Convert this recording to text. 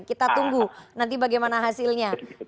kita tunggu nanti bagaimana hasilnya